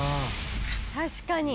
確かに。